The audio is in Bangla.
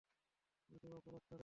শুধু অপরাধ ছাড়া।